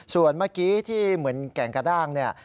ส่วนเมื่อกี้ที่เหมือนแก่งกระด้างเนี่ย